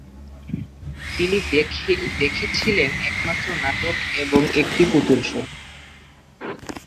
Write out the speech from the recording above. তিনি দেখেছিলেন একমাত্র নাটক এবং একটি পুতুল শো।